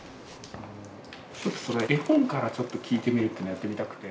絵本からちょっと聞いてみるっていうのをやってみたくて。